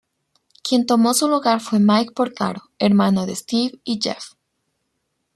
Quien tomó su lugar fue Mike Porcaro, hermano de Steve y Jeff.